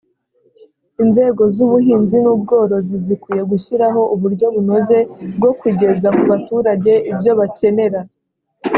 inzego z’ubuhinzi n’ubworozi zikwiye gushyiraho uburyo bunoze bwo kugeza ku baturage ibyo bakenera